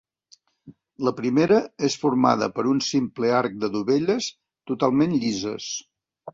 La primera és formada per un simple arc de dovelles totalment llises.